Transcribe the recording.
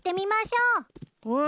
うん。